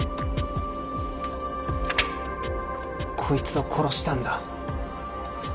こいつを殺したんだ。